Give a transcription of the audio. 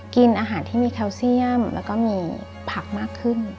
กินอาหารที่มีแคลเซียมแล้วก็มีผักมากขึ้น